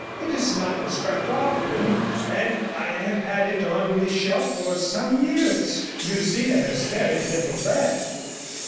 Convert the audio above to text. It is not prescribed often, and I have had it on the shelf for some years. You see there is very little left.'